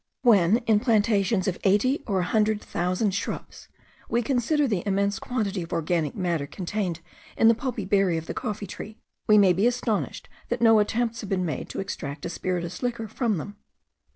When, in plantations of eighty or a hundred thousand shrubs, we consider the immense quantity of organic matter contained in the pulpy berry of the coffee tree, we may be astonished that no attempts have been made to extract a spirituous liquor from them.